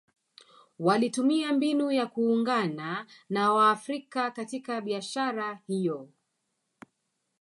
Walitumia mbinu ya kuungana na waafrika katika biashara hiyo